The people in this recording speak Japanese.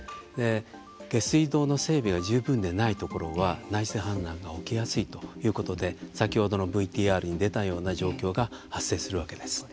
下水道の整備が十分でないところは内水氾濫が起きやすいということで先ほどのＶＴＲに出たような状況が発生するわけです。